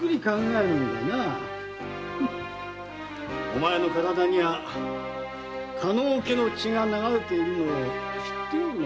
お前の体には狩野家の血が流れているのを知ってるのか。